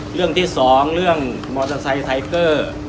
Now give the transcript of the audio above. เรื่องที่สองเรื่องมอเตอร์ไซค์ไทเกอร์